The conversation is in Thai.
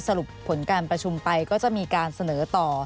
สรุปผลการประชุมไปก็จะมีการเสนอต่อ